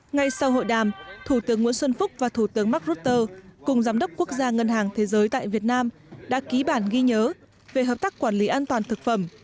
ngay sau hội đàm thủ tướng nguyễn xuân phúc và thủ tướng mark rutte cùng giám đốc quốc gia ngân hàng thế giới tại việt nam đã ký bản ghi nhớ về hợp tác quản lý an toàn thực phẩm